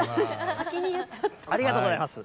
ありがとうございます。